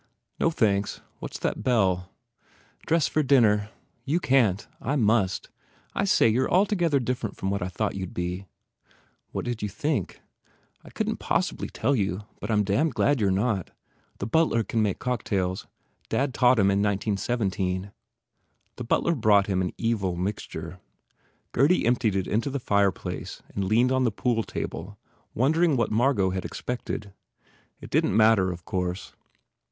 11 "No thanks. What s that bell?" "Dress for dinner. You can t. I must. I say, you re altogether different from what I thought you d be." "What did you think?" "I couldn t possibly tell you but I m damned glad you re not. The butler can make cocktails. Dad taught him in nineteen seventeen." The butler brought him an evil mixture. Gurdy emptied it into the fireplace and leaned on the pool table wondering what Margot had ex pected. It didn t matter, of course.